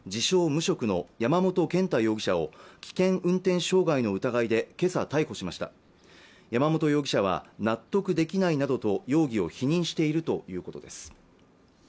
無職の山本健太容疑者を危険運転傷害の疑いでけさ逮捕しました山本容疑者は納得できないなどと容疑を否認しているということです